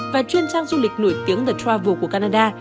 và chuyên trang du lịch nổi tiếng the travel của canada